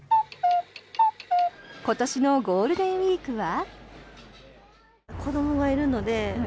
今年のゴールデンウィークは？